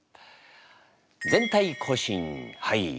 全隊行進はい。